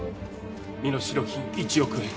身代金１億円。